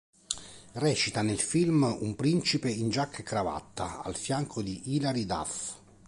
Recita nel film "Un principe in giacca e cravatta" al fianco di Hilary Duff.